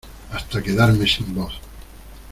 hasta quedarme sin voz.